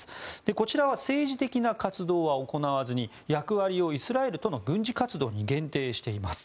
こちらは政治的な活動は行わずに役割をイスラエルとの軍事活動に限定しています。